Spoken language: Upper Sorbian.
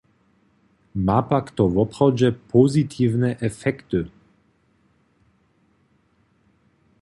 Ma pak to woprawdźe pozitiwne efekty?